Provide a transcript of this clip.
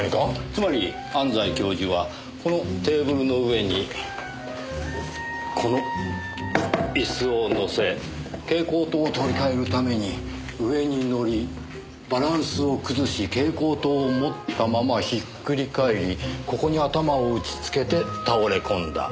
つまり安西教授はこのテーブルの上にこの椅子をのせ蛍光灯を取り替えるために上にのりバランスを崩し蛍光灯を持ったままひっくり返りここに頭を打ち付けて倒れ込んだ。